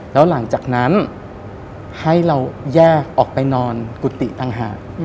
แล้วหลังจากนั้นให้เราแยกออกไปนอนกุฏิต่างหาก